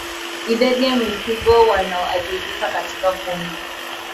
Idadi ya mifugo wanaoathirika katika kundi